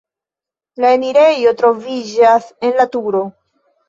La enirejo troviĝas en la turo.